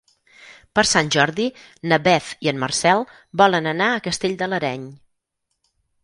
Per Sant Jordi na Beth i en Marcel volen anar a Castell de l'Areny.